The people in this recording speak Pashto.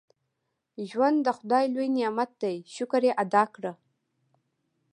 • ژوند د خدای لوی نعمت دی، شکر یې ادا کړه.